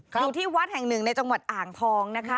อยู่ที่วัดแห่งหนึ่งในจังหวัดอ่างทองนะคะ